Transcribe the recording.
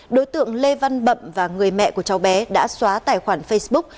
đối tượng lê văn bậm và người mẹ của cháu bé đã xóa tài khoản facebook